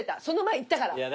その前行ったから。